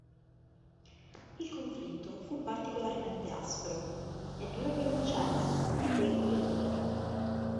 Il conflitto fu particolarmente aspro e durò per un decennio, di qui il nome.